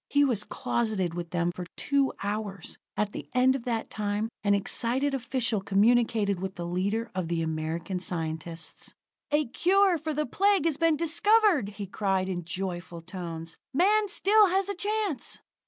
He was closeted with them for two hours. At the end of that time an excited official communicated with the leader of the American scientists. "A cure for the Plague has been discovered!" he cried in joyful tones. "Man still has a chance!"